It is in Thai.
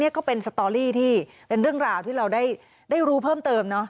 ก็เป็นสตอรี่ที่เป็นเรื่องราวที่เราได้รู้เพิ่มเติม